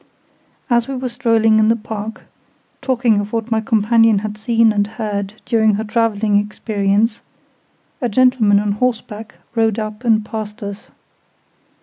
As we were strolling in the park, talking of what my companion had seen and heard during her travelling experience, a gentleman on horseback rode up and passed us.